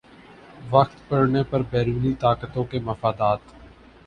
وقت پڑنے پر بیرونی طاقتوں کے مفادات